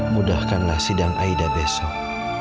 mudahkanlah sidang aida besok